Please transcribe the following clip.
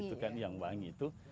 itu kan yang wangi